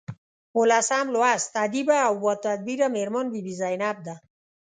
اوولسم لوست ادیبه او باتدبیره میرمن بي بي زینب ده.